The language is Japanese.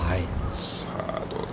さあどうだ。